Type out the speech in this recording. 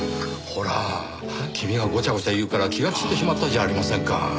ほら君がゴチャゴチャ言うから気が散ってしまったじゃありませんか。